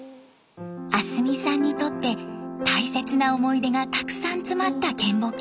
明日美さんにとって大切な思い出がたくさん詰まった嶮暮帰島。